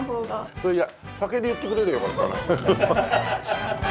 それじゃ先に言ってくれりゃよかったな。